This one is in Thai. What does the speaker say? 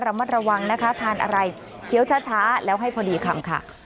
ระมัดระวังนะคะทานอะไรเคี้ยวช้าแล้วให้พอดีคำค่ะ